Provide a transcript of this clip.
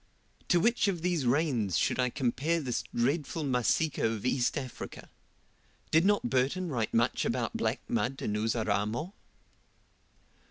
To which of these rains should I compare this dreadful Masika of East Africa? Did not Burton write much about black mud in Uzaramo?